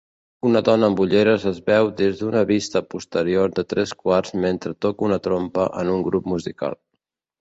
Una dona amb ulleres es veu des d'una vista posterior de tres quarts mentre toca una trompa en un grup musical.